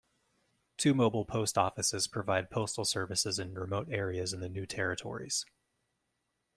Two mobile post offices provide postal services in remote areas in the New Territories.